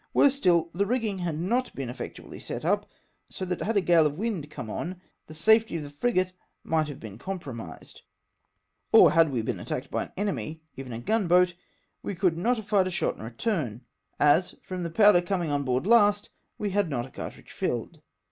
Worse still — the rigging had not been effectually set up, so that had a gale of wind come on, the safety of the frigate might have been compromised ; or had we been attacked by an enemy — even a gun boat — we could not have fired a shot in return, as, from the poAvder coming on board last, we had not a cartridge filled.